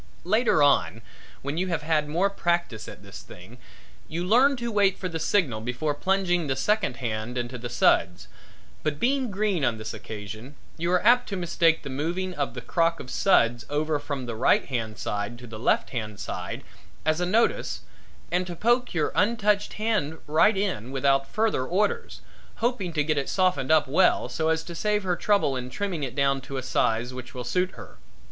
Later on when you have had more practice at this thing you learn to wait for the signal before plunging the second hand into the suds, but being green on this occasion, you are apt to mistake the moving of the crock of suds over from the right hand side to the left hand side as a notice and to poke your untouched hand right in without further orders, hoping to get it softened up well so as to save her trouble in trimming it down to a size which will suit her.